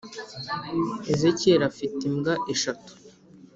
ezekiyeli afite imbwa eshatu